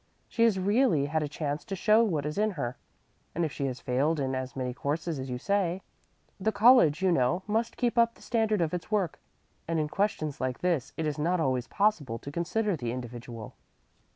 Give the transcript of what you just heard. She has really had a chance to show what is in her, and if she has failed in as many courses as you say The college, you know, must keep up the standard of its work, and in questions like this it is not always possible to consider the individual."